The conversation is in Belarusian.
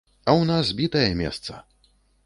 А ў нас бітае месца.